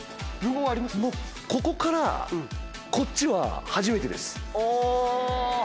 もうここからこっちは初めてです。